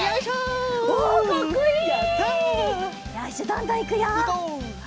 どんどんいくよ！